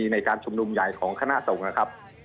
ในการชุมนุมใหญ่ของคณะสงฆ์นะครับ